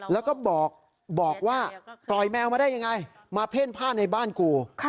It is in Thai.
แล้วก็บอกว่าปล่อยแมวมาได้ยังไงมาเพ่นผ้าในบ้านกู